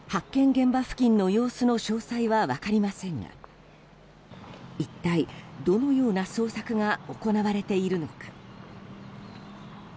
現場付近の様子の詳細は分かりませんが一体、どのような捜索が行われているのか。